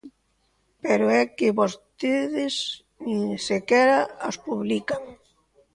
¡Pero é que vostedes nin sequera as publican!